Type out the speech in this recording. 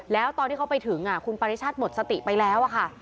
แล้วตอนที่เขาไปถึงคุณปริชาติหมดสติไปแล้วค่ะ